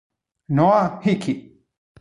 Noah Hickey